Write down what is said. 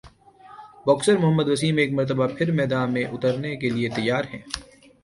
boxer Muhammad Waseem ایک مرتبہ پھر میدان میں اترنےکیلئے تیار ہیں